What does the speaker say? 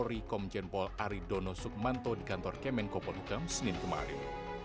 di komjenpol aridono sukmanto di kantor kemenko polhukam senin kemarin